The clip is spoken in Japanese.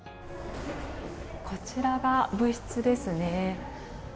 こちらが部室ですね。